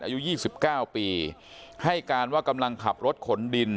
อายุ๒๙ปีให้การว่ากำลังขับรถขนดิน